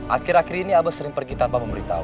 akhir akhir ini abah sering pergi tanpa memberitahu